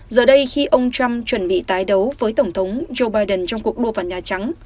giờ đây khi ông trump chuẩn bị tái đấu với tổng thống joe biden trong cuộc đua vào nhà trắng